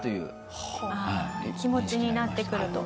気持ちになってくると。